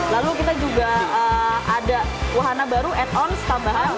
lalu kita juga ada wahana baru ad ons tambahan